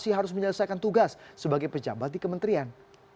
masih harus menyelesaikan tugas sebagai pejabat di kementerian